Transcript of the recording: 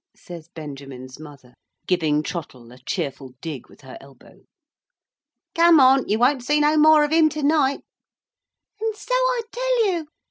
says Benjamin's mother, giving Trottle a cheerful dig with her elbow. "Come on! you won't see no more of him to night!" "And so I tell you!"